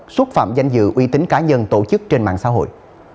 xúc phạm danh dự uy tín cá nhân tổ chức trên mạng xã hội